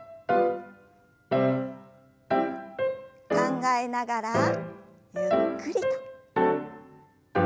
考えながらゆっくりと。